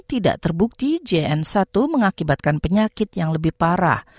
tidak terbukti jn satu mengakibatkan penyakit yang lebih parah